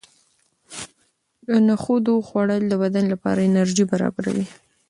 د نخودو خوړل د بدن لپاره انرژي برابروي.